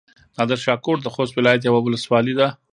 نادرشاه کوټ د خوست ولايت يوه ولسوالي ده.